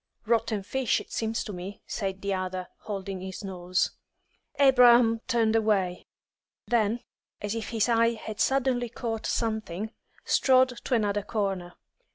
"Rotten fish, it seems to me," said the other, holding his nose. Abraham turned away; then, as if his eye had suddenly caught something, strode to another corner.